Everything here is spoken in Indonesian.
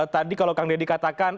tadi kalau kang deddy katakan